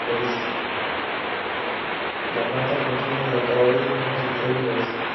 La planta contiene el alcaloide en hojas, tallo y raíz.